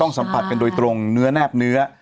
สัมผัสกันโดยตรงเนื้อแนบเนื้อ